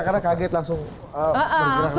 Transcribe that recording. karena kaget langsung bergerak sama kamera aja ya